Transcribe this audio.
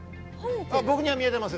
僕には見えています。